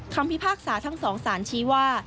พิพากษาทั้งสองสารชี้ว่า